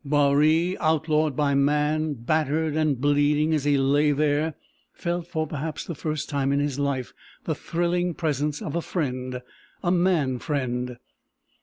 Baree, outlawed by man, battered and bleeding as he lay there, felt for perhaps the first time in his life the thrilling presence of a friend a man friend.